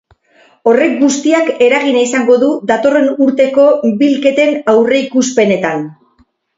Horrek guztiak eragina izango du datorren urteko bilketen aurreikuspenetan.